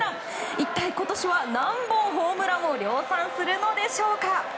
一体、今年は何本ホームランを量産するのでしょうか。